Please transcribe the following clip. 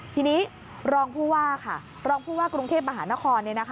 ทีนี้รองผู้ว่ากรุงเทพมหานคร